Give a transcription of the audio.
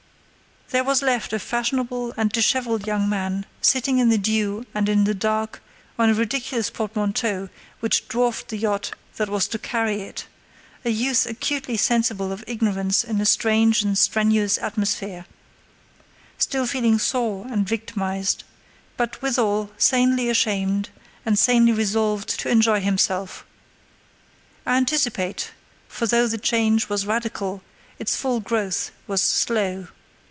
There was left a fashionable and dishevelled young man sitting in the dew and in the dark on a ridiculous portmanteau which dwarfed the yacht that was to carry it; a youth acutely sensible of ignorance in a strange and strenuous atmosphere; still feeling sore and victimised; but withal sanely ashamed and sanely resolved to enjoy himself. I anticipate; for though the change was radical its full growth was slow.